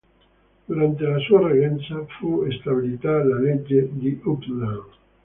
Durante la sua reggenza, fu stabilita la legge di Uppland.